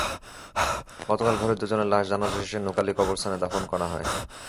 গতকাল ভোরে দুজনের লাশ জানাজা শেষে নুকালী কবরস্থানে দাফন করা হয়।